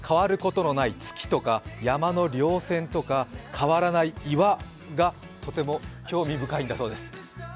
なので変わることのない月とか山の稜線とか変わらない岩がとても興味深いんだそうです。